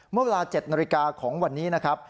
เมื่อเวลา๗นาฬิกาของวันนี้นะครับ